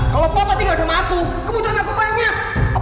kalau bapak tinggal sama aku kebutuhan aku banyak